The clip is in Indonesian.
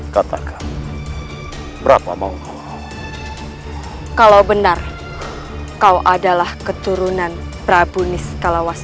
katakan berapa mau kalau benar kau adalah keturunan prabu nisqalawasya